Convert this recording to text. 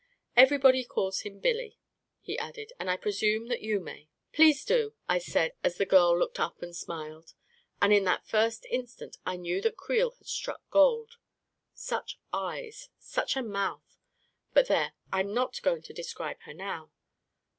Everybody calls him Billy," he added, " and I presume that you may." 44 Please do !" I said, as the girl looked up and smiled. And in that first instant I knew that Creel had struck gold ! Such eyes, such a mouth — but there, I'm not going to describe her now